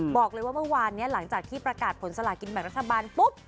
บอกเลยว่าเมื่อวานนี้หลังจากที่ประกาศผลสลากินแบ่งรัฐบาลปุ๊บ